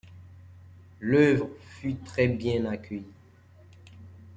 L’œuvre fut très bien accueillie.